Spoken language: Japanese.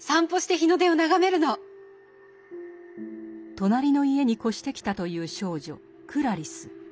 隣の家に越してきたという少女クラリス。